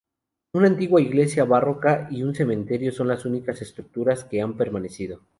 Una antigua iglesia barroca y un cementerio son las únicas estructuras que han permanecido.